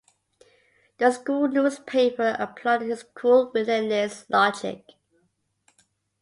The school newspaper applauded his cool, relentless logic.